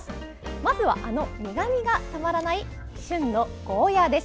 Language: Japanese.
まずは、あの苦みがたまらない旬のゴーヤーです。